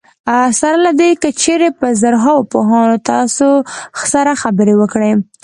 سره له دې که چېرې په زرهاوو پوهان تاسو سره خبرې وکړي.